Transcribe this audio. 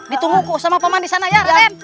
ditunggu sama pak man di sana ya raden